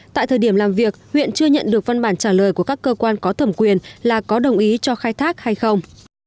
tại thời điểm làm việc huyện chưa nhận được văn bản trả lời của các cơ quan có thẩm quyền là có đồng ý cho khai thác hay không